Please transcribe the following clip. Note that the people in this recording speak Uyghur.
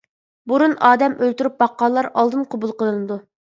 بۇرۇن ئادەم ئۆلتۈرۈپ باققانلار ئالدىن قوبۇل قىلىنىدۇ.